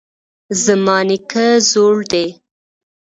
زما نیکه زوړ دی